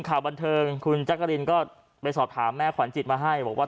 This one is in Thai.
ข่าวบันเทิงคุณจักรินก็ไปสอบถามแม่ขวัญจิตมาให้บอกว่า